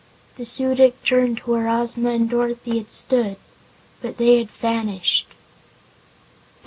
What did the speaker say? The Su dic turned to where Ozma and Dorothy had stood but they had vanished!